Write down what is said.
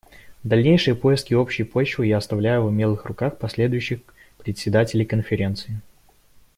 Дальнейшие поиски общей почвы я оставляю в умелых руках последующих председателей Конференции.